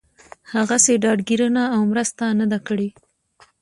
هغسې ډاډ ګيرنه او مرسته نه ده کړې